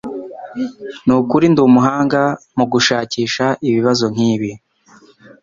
Nukuri ndumuhanga mugushakisha ibibazo nkibi